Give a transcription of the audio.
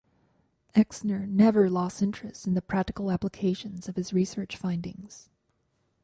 Exner never lost interest in the practical application of his research findings.